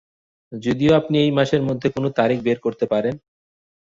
যদি আপনি এই মাসের মধ্যে কোন তারিখ বের করতে পারেন?